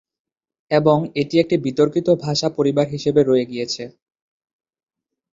এবং এটি একটি বিতর্কিত ভাষা পরিবার হিসাবে রয়ে গেছে।